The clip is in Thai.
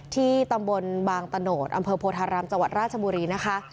ที่ตำบลบางตะโนธอำเภอโพธารามจังหวัดราชบุรีนะคะ